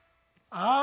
ああ！